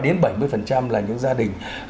đến bảy mươi là những gia đình